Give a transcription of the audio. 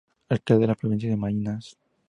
Alcalde de la Provincia de Maynas.